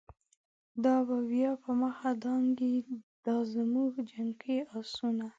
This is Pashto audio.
دا به بیا په مخه دانګی، دازموږ جنګی آسونه